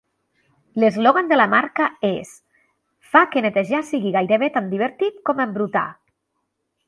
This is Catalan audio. L'eslògan de la marca és: "Fa que netejar sigui gairebé tan divertit com embrutar".